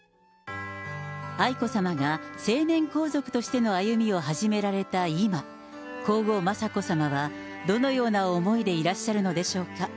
愛子さまが成年皇族としての歩みを始められた今、皇后雅子さまはどのような思いでいらっしゃるのでしょうか。